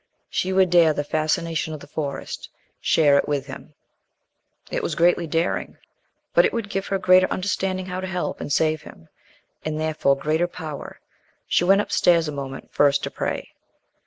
She would dare the fascination of the Forest share it with him. It was greatly daring; but it would give her greater understanding how to help and save him and therefore greater Power. She went upstairs a moment first to pray.